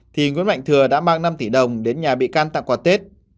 thì nguyễn mạnh thừa đã mang năm tỷ đồng đến nhà bị can tặng quà tết